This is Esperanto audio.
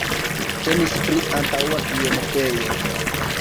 Temis pri antaŭa bienetejo.